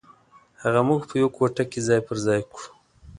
هغه موږ په یوه کوټه کې ځای پر ځای کړو.